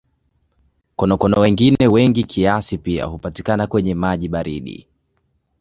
Konokono wengine wengi kiasi pia hupatikana kwenye maji baridi.